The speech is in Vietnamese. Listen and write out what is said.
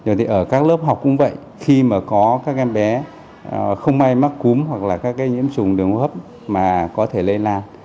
ở các lớp học cũng vậy khi mà có các em bé không ai mắc cúm hoặc là các cái nhiễm trùng đường hô hấp mà có thể lây lan